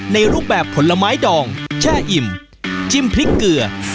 รูปแบบผลไม้ดองแช่อิ่มจิ้มพริกเกลือ